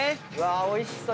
おいしそう！